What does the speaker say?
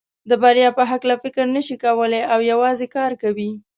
د بریا په هکله فکر نشي کولای او یوازې کار کوي.